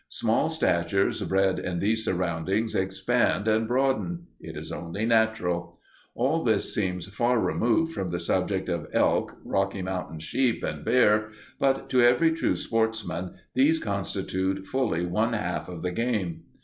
Small statures bred in these surroundings expand and broaden it is only natural. All this seems far removed from the subject of elk, Rocky Mountain sheep, and bear, but to every true sportsman these constitute fully one half of the game.